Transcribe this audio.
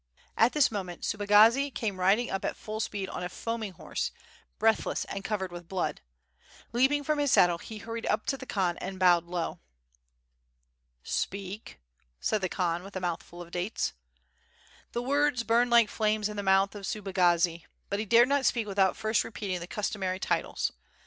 At this moment Subagazi came riding up at full speed on a foaming horse, breathless and covered with blood; leaping from his saddle, he hurried up to the Khan and bowed low. "Speak," said the Khan with a mouthful of dates. The words burned like flames in the mouth of Subagazi but he dared not speak without first repeating the customary titles.